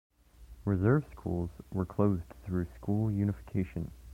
Reserve schools were closed through school unification.